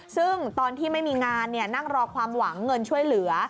ซึ่งตอนที่ไม่มีงานนั่งรอความหวังเงินช่วยเหลือ